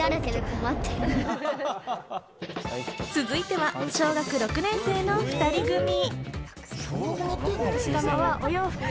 続いては小学６年生の２人組。